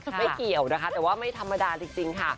ไม่เกี่ยวนะคะแต่ว่าไม่ธรรมดาจริงค่ะ